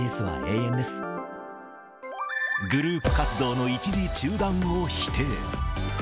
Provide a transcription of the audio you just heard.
グループ活動の一時中断を否定。